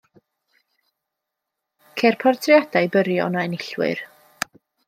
Ceir portreadau byrion o enillwyr.